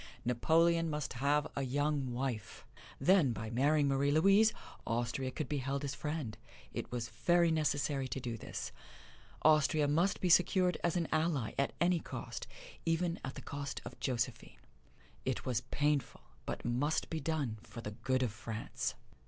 Napoleon must have a young wife. Then by marrying Marie Louise, Austria could be held as friend: it was very necessary to do this. Austria must be secured as an ally at any cost even at the cost of Josephine. It was painful, but must be done for the good of France.